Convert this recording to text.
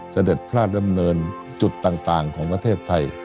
เสด็จพระราชดำเนินจุดต่างของประเทศไทย